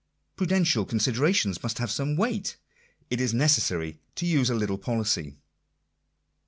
Prudential con siderations must have some weight. It is necessary to use a little policy.